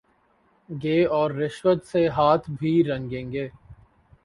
گے اور رشوت سے ہاتھ بھی رنگیں گے۔